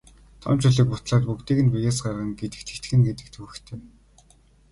Том чулууг бутлаад бүгдийг нь биеэс гаргана гэдэгт итгэнэ гэдэг төвөгтэй.